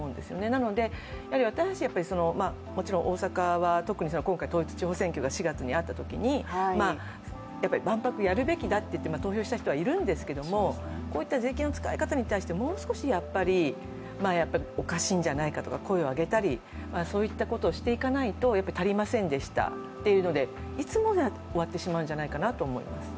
なので、私たちはもちろん、大阪は特に今回、統一地方選挙が４月にあったときに、万博やるべきだっていって投票した人はいるんですけどもこういった税金の使い方に対しておかしいんじゃないかと声を上げたり、そういったことをしていかないと、足りませんでしたというので、いつも終わってしまうんじゃないかと思います